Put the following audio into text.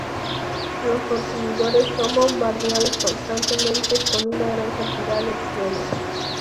Los consumidores son bombardeados constantemente con una gran cantidad de opciones.